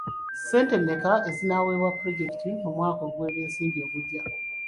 Ssente mmeka ezinaaweebwa pulojekiti mu mwaka gw'ebyensimbi ogujja?